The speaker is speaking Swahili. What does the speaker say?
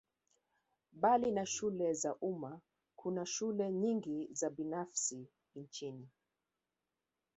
Mbali na shule za umma kuna shule nyingi za binafsi nchini